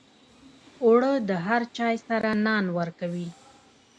اوړه د هر چای سره نان ورکوي